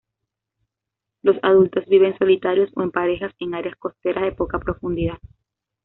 Los adultos viven solitarios o en parejas en áreas costeras de poca profundidad.